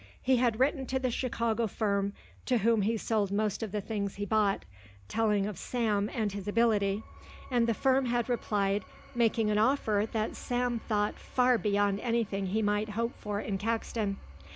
He had written to the Chicago firm to whom he sold most of the things he bought, telling of Sam and his ability, and the firm had replied making an offer that Sam thought far beyond anything he might hope for in Caxton.